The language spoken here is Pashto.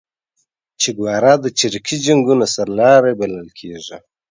چیګوارا د چریکي جنګونو سرلاری بللل کیږي